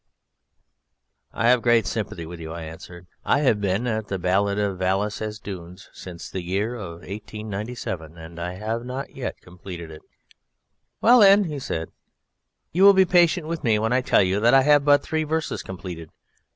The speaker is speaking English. "I have great sympathy with you," I answered, "I have been at the ballade of Val ès Dunes since the year 1897 and I have not yet completed it." "Well, then," he said, "you will be patient with me when I tell you that I have but three verses completed."